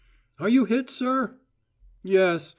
"Are you hit, sir?" "Yes.